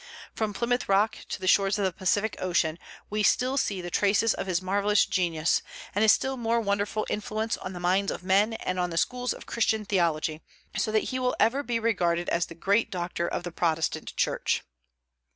From Plymouth Rock to the shores of the Pacific Ocean we still see the traces of his marvellous genius, and his still more wonderful influence on the minds of men and on the schools of Christian theology; so that he will ever be regarded as the great doctor of the Protestant Church.